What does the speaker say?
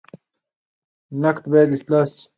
نقد باید اصلاحي وي